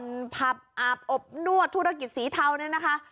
เป็นผับอาบอบนวดธุรกิจสีเทาเนี่ยนะคะ